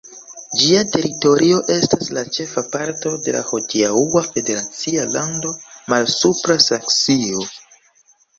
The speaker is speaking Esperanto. Ĝia teritorio estas la ĉefa parto de la hodiaŭa federacia lando Malsupra Saksio.